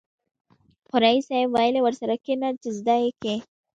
خو ريس صيب ويلې ورسره کېنه چې زده يې کې.